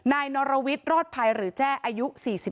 นายนรวิทย์รอดภัยหรือแจ้อายุ๔๒